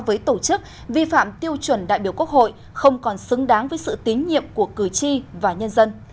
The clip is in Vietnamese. với tổ chức vi phạm tiêu chuẩn đại biểu quốc hội không còn xứng đáng với sự tín nhiệm của cử tri và nhân dân